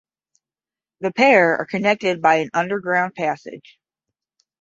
The pair are connected by an underground passage.